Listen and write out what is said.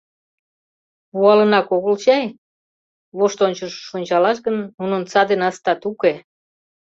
Пуалынак огыл чай? — воштончышыш ончалаш гын, нунын саде настат уке.